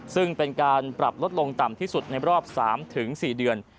ซึ่งเป็นการปรับลดลงต่ำที่สุดในรอบ๓๔เดือน